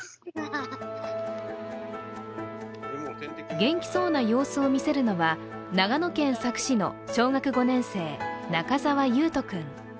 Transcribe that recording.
元気そうな様子を見せるのは長野県佐久市の小学５年生中澤維斗君。